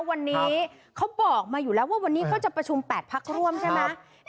วันนี้เขาบอกมาอยู่แล้วว่าวันนี้เขาจะประชุม๘พักร่วมใช่ไหม